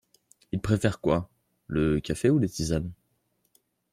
Il préfère quoi? Le café ou les tisanes ?